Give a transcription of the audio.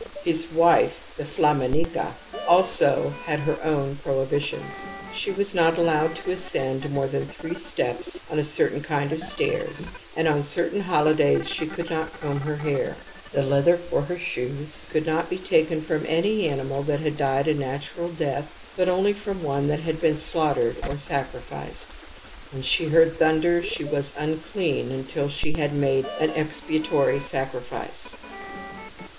His wife, the Flaminica, also had her own prohibitions : she was not allowed to ascend more than three steps on a certain kind of stairs and on certain hoUdays she could not comb her hair ; the leather for her shoes cotdd not be THE AMBIVALENCE OF EMOTIONS 79 taken from any animal that had died a natural death but only from one that had been slaugh tered or sacrificed ; when she heard thunder she was unclean imtil she had made an expiatory sacrifice.